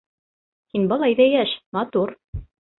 Һин былай ҙа йәш, матур.